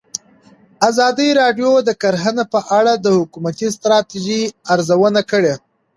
ازادي راډیو د کرهنه په اړه د حکومتي ستراتیژۍ ارزونه کړې.